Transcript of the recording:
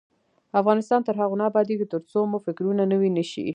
افغانستان تر هغو نه ابادیږي، ترڅو مو فکرونه نوي نشي.